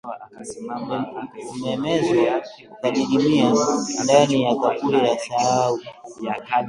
Umemezwa ukadidimia ndani ya kaburi la sahau